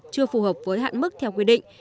chưa phù hợp với hạn mức theo quy định